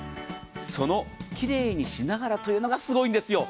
その奇麗にしながらというのがすごいんですよ。